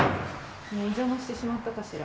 お邪魔してしまったかしら。